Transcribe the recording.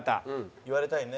言われたいね。